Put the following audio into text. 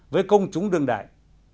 với công chúng đương đại